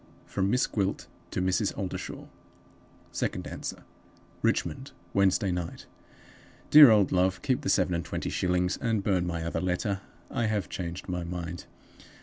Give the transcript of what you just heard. From Miss Gwilt to Mrs. Oldershaw. (Second Answer.) "Richmond, Wednesday Night. "DEAR OLD LOVE Keep the seven and twenty shillings, and burn my other letter. I have changed my mind.